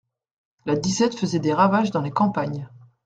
La disette faisait des ravages dans les campagnes.